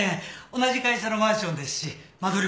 同じ会社のマンションですし間取りも同じです。